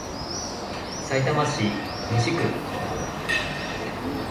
さいたま市西区